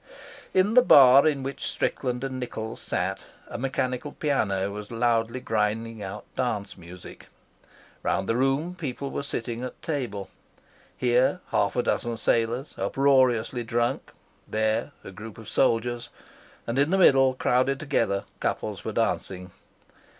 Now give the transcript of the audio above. In the bar in which Strickland and Nichols sat a mechanical piano was loudly grinding out dance music. Round the room people were sitting at table, here half a dozen sailors uproariously drunk, there a group of soldiers; and in the middle, crowded together, couples were dancing.